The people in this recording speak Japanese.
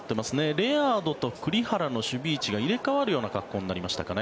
レアードと栗原の守備位置が入れ替わるような格好になりましたかね。